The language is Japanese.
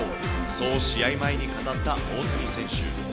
そう試合前に語った大谷選手。